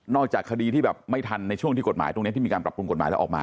จากคดีที่แบบไม่ทันในช่วงที่กฎหมายตรงนี้ที่มีการปรับปรุงกฎหมายแล้วออกมา